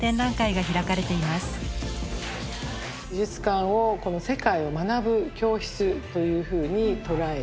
美術館をこの世界を学ぶ教室というふうに捉えて。